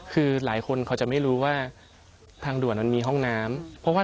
คือหลายคนเขาจะไม่รู้ว่า